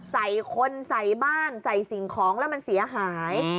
ใส่คนใส่บ้านใส่สิ่งของแล้วมันเสียหาย